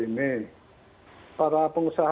diantara itu ada sih